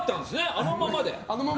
あのままで。